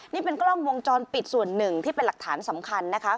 นี่เป็นกล้องวงจรปิดส่วนหนึ่งที่เป็นหลักฐานสำคัญนะคะ